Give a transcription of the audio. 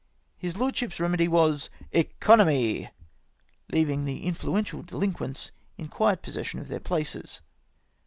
His lordship's remedy was " economy 1 " leaving the influential dehnquents in quiet possession of their places.